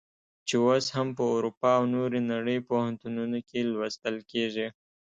چې اوس هم په اروپا او نورې نړۍ پوهنتونونو کې لوستل کیږي.